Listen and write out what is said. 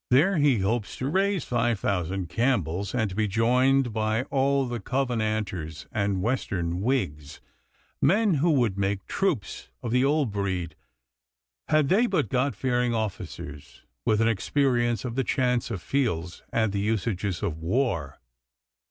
There he hopes to raise five thousand Campbells, and to be joined by all the Covenanters and Western Whigs, men who would make troops of the old breed had they but God fearing officers with an experience of the chance of fields and the usages of war.